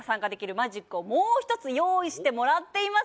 マジックをもう一つ用意してもらっています。